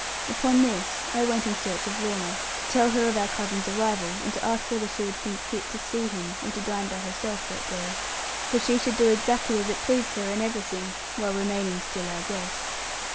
Upon this I went in search of Lorna, to tell her of our cousin's arrival, and to ask whether she would think fit to see him, or to dine by herself that day; for she should do exactly as it pleased her in everything, while remaining still our guest.